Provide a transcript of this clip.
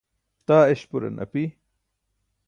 taa eśpuran api